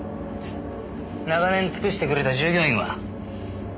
長年尽くしてくれた従業員は？